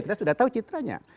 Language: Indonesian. kita sudah tahu citranya